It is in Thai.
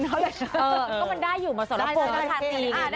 ก็มันได้อยู่มาสรพงศ์นะคะ